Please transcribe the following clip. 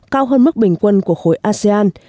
cao hơn mức bình quân của khối asean